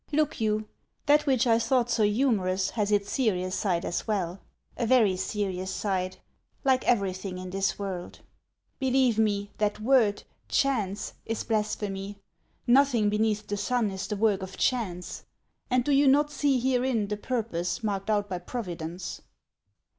Look you, that which I thought so humorous has its serious side as well, a very serious side, like everything in this world ! Believe me, that word, chance, is blasphemy; nothing beneath the sun is the work of chance ; and do you not see herein the purpose marked out by Providence